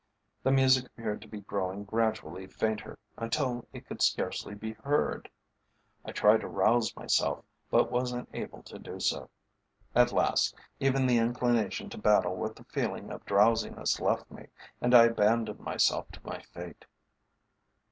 The music appeared to be growing gradually fainter, until it could scarcely be heard. I tried to rouse myself, but was unable to do so. At last, even the inclination to battle with the feeling of drowsiness left me, and I abandoned myself to my fate.